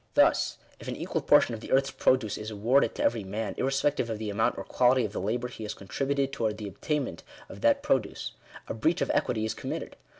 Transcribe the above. Thus, if an equal portion of the earths produce is awarded to every man, irrespective of the amount or quality of the labour he has contributed towards the obtainment of that produce, a breach of equity is committed.